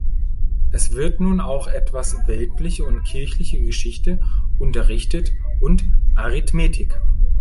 Es wird nun auch etwas weltliche und kirchliche Geschichte unterrichtet und Arithmetik.